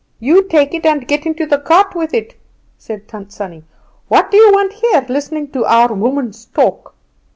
"You take it and get into the cart with it," said Tant Sannie. "What do you want here, listening to our woman's talk?"